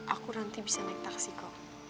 aku nanti bisa naik taksi kok